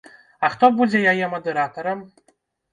А хто будзе яе мадэратарам?